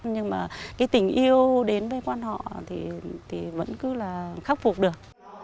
nhưng mà cái tình yêu đến với quan họ thì vẫn cứ là khắc phục được